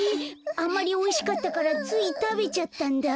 あんまりおいしかったからついたべちゃったんだ。